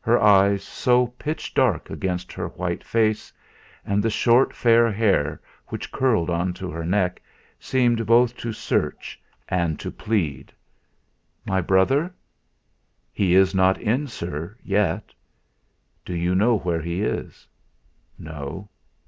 Her eyes, so pitch dark against her white face, and the short fair hair, which curled into her neck, seemed both to search and to plead. "My brother?" "He is not in, sir, yet." "Do you know where he is?" "No."